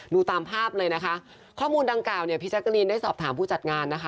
ดูตามภาพเลยนะคะข้อมูลดังกล่าวเนี่ยพี่แจ๊กกะรีนได้สอบถามผู้จัดงานนะคะ